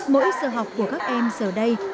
mỗi giờ học của các em giờ đây